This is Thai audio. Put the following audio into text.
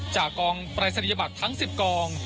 จากกองปรายศนียบัตรทั้ง๑๐กอง